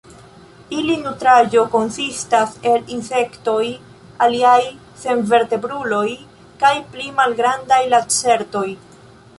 Ili nutraĵo konsistas el insektoj, aliaj senvertebruloj kaj pli malgrandaj lacertoj.